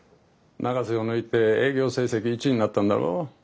永瀬を抜いて営業成績１位になったんだろう。